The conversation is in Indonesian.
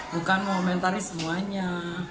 bukan mengomentari semuanya